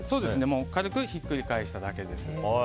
軽くひっくり返しただけです。